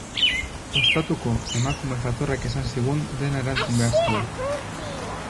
Ostatuko emakume jatorrak esan zigun dena erantzun behar zela.